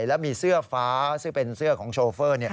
แล้วมีเสื้อฟ้าซึ่งเป็นเสื้อของโชเฟอร์